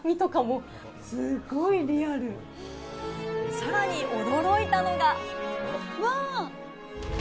さらに驚いたのが。